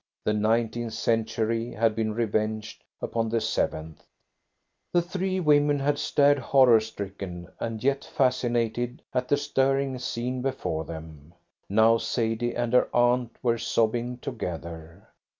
The nineteenth century had been revenged upon the seventh. The three women had stared horror stricken and yet fascinated at the stirring scene before them. Now Sadie and her aunt were sobbing together.